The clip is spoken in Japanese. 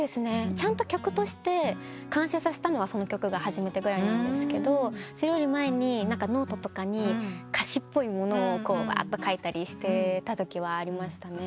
ちゃんと曲として完成させたのはその曲が初めてぐらいなんですけどそれより前にノートとかに歌詞っぽいものをわーっと書いたりしてたときはありましたね。